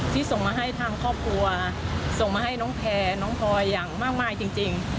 ส่งมาให้ทางครอบครัวส่งมาให้น้องแพร่น้องพลอยอย่างมากมายจริง